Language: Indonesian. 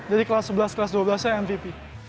jadi kelas sebelas kelas dua belas saya mvp